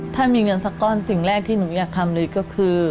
ถ้ามีเงินสักก้อนสิ่งแรกที่หนูอยากทำเลยก็คือ